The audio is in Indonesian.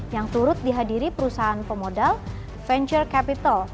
yang turut dihadiri perusahaan pemodal venture capital